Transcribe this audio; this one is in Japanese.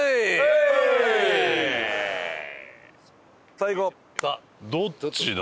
さあ行こう！